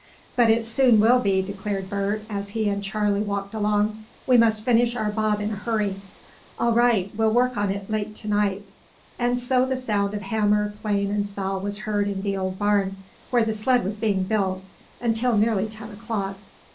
"But it soon will be," declared Bert, as he and Charley walked along. "We must finish our bob in a hurry." "All right. We'll work on it late tonight." And so the sound of hammer, plane and saw was heard in the old barn, where the sled was being built, until nearly ten o'clock.